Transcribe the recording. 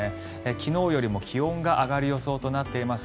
昨日よりも気温が上がる予想となっています。